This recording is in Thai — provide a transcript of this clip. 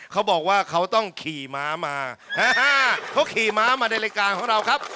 เขาบอกว่าเขาต้องขี่ม้ามาเขาขี่ม้ามาในรายการของเราครับ